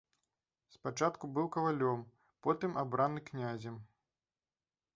Спачатку быў кавалём, потым абраны князем.